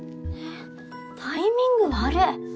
タイミング悪っ。